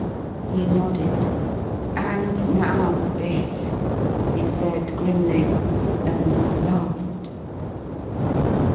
He nodded. "And now this," he said, grimly, and laughed.